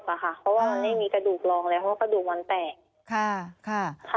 เพราะว่ามันไม่มีกระดูกรองแล้วเพราะว่ากระดูกมันแตก